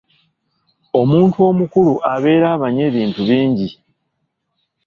Omuntu omukulu abeera abanyi ebintu bingi.